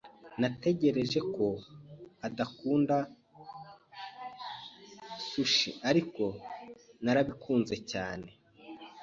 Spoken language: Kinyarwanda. Natekereje ko udakunda sushi, ariko narabikunze cyane.